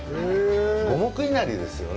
五目いなりですよね。